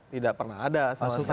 tidak pernah ada sama sekali